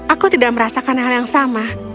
aku tidak merasakan hal yang sama